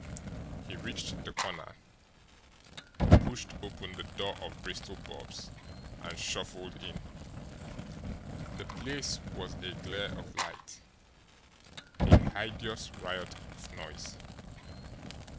He reached the corner, pushed open the door of Bristol Bob's, and shuffled in. The place was a glare of light, a hideous riot of noise.